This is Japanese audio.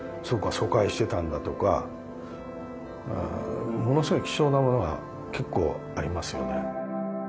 疎開してたんだ」とかものすごい貴重なものが結構ありますよね。